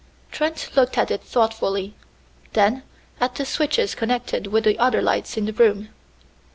Trent looked at it thoughtfully, then at the switches connected with the other lights in the room.